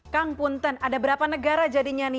kang punten ada berapa negara jadinya nih